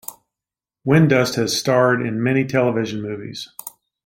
Windust has starred in many television movies.